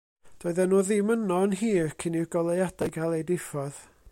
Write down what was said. Doedden nhw ddim yno yn hir cyn i'r goleuadau gael eu diffodd.